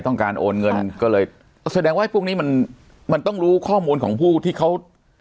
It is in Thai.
ต้องการโอนเงินก็เลยแสดงว่าพวกนี้มันมันต้องรู้ข้อมูลของผู้ที่เขา